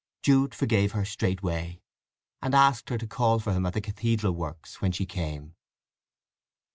Jude forgave her straightway, and asked her to call for him at the cathedral works when she came.